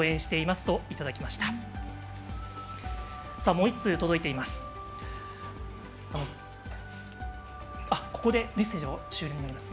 もう１通届いています。